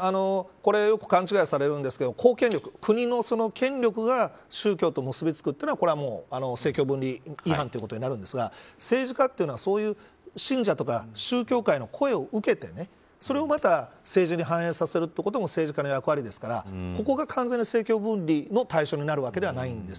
これはよく勘違いされるんですけど国の権力が宗教と結び付くのはこれは政教分離違反になるんですが政治家というのは信者とか宗教界の声を受けてそれをまた政治に反映させることも政治家の役割ですからここが完全に政教分離の対象になるわけではないんです。